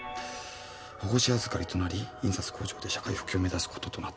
「保護司預かりとなり印刷工場で社会復帰を目指すこととなった」